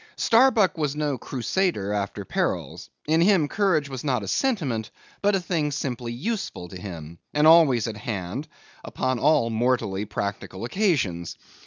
Starbuck was no crusader after perils; in him courage was not a sentiment; but a thing simply useful to him, and always at hand upon all mortally practical occasions.